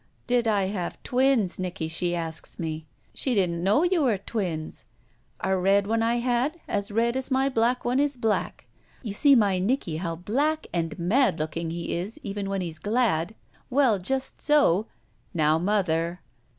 "Did I have twins, Nicky, she asks me. She didn't know you were twins. A red one I had, as red as my black one is black. You see my Nicky how black and mad looking he is even when he's glad; well, just so —" "Now, mother!"